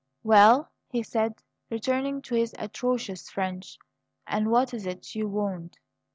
"Well," he said, returning to his atrocious French; "and what is it you want?"